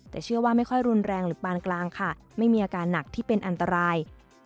แต่เชื่อว่าไม่ค่อยรุนแรงหรือปานกลางค่ะไม่มีอาการหนักที่เป็นอันตราย